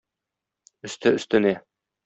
Өсте-өстенә.